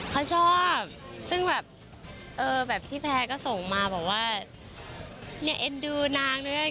เขาชอบซึ่งแบบเออแบบพี่แพรก็ส่งมาบอกว่าเนี่ยเอ็นดูนางด้วย